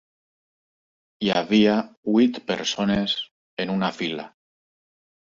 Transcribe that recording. Hi havia vuit persones en una fila.